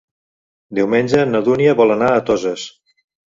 Diumenge na Dúnia vol anar a Toses.